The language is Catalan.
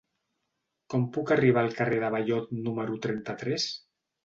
Com puc arribar al carrer de Ballot número trenta-tres?